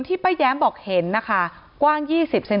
ที่มีข่าวเรื่องน้องหายตัว